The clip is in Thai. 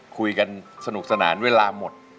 คุยกันสนุกสนานเวลาหมด